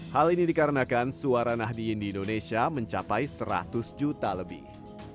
hal ini dikarenakan suara nahdien di indonesia mencapai seratus juta lebih